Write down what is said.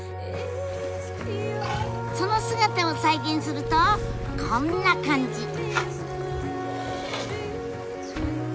その姿を再現するとこんな感じ。